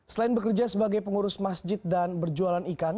selain bekerja sebagai pengurus masjid dan berjualan ikan